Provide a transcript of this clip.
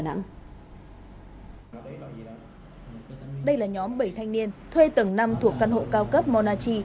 công an phát hiện chìa xóa của một bộ phận giới trẻ thanh niên thuê tầng năm thuộc căn hộ cao cấp monachi